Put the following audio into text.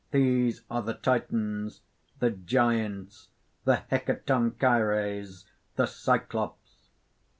These are the Titans, the Giants, the Hecatonchires, the Cyclops.